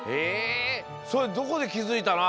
それどこできづいたの？